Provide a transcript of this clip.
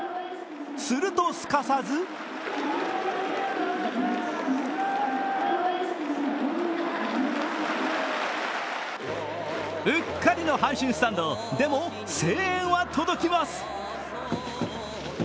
するとすかさずうっかりの阪神スタンドでも声援は届きます。